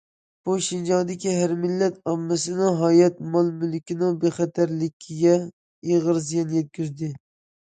بۇ شىنجاڭدىكى ھەر مىللەت ئاممىسىنىڭ ھاياتى، مال- مۈلكىنىڭ بىخەتەرلىكىگە ئېغىر زىيان يەتكۈزدى.